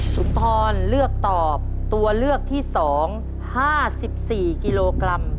สุนทรเลือกตอบตัวเลือกที่๒๕๔กิโลกรัม